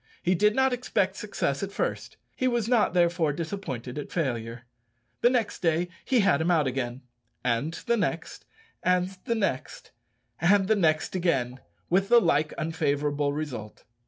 He did not expect success at first; he was not therefore disappointed at failure. Next day he had him out again and the next and the next and the next again, with the like unfavourable result.